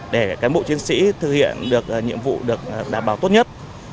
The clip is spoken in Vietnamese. để cán bộ chiến sĩ thực hiện được nhiệm vụ được đảm bảo tốt nhất